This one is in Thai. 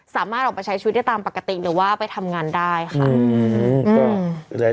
สามารถออกไปใช้ชีวิตได้ตามปกติหรือว่าไปทำงานได้ค่ะ